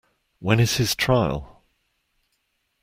When is his trial?